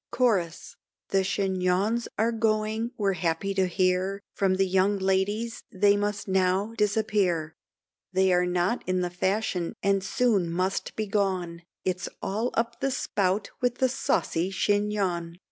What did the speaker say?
CHORUS. The Chignons are going we're happy to hear, From the young Ladies they must now disappear, They are not in the fashion and soon must be gone, It's all up the spout with the saucy chignon.